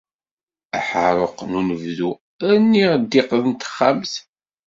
Aḥaruq n unebdu, rniɣ ddiq n texxamt.